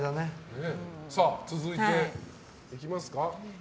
続いて、いきますか。